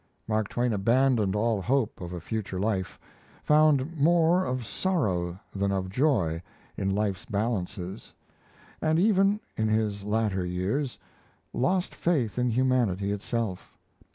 Mark Twain abandoned all hope of a future life; found more of sorrow than of joy in life's balances; and even, in his latter years, lost faith in humanity itself.